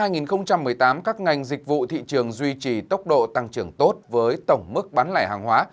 năm hai nghìn một mươi tám các ngành dịch vụ thị trường duy trì tốc độ tăng trưởng tốt với tổng mức bán lẻ hàng hóa